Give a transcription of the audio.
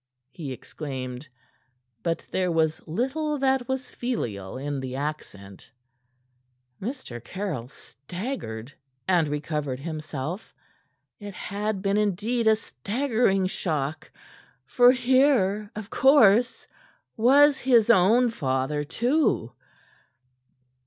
he exclaimed; but there was little that was filial in the accent. Mr. Caryll staggered and recovered himself. It had been indeed a staggering shock; for here, of course, was his own father, too.